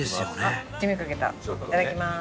いただきます。